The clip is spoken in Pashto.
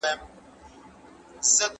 خصوصي پوهنتون په پټه نه بدلیږي.